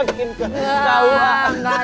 enggak gak ada serius dikit